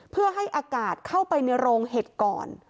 เพื่อให้อากาศเข้าไปในโรงเห็ดก่อน